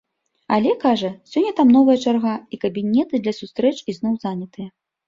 Але, кажа, сёння там новая чарга і кабінеты для сустрэч ізноў занятыя.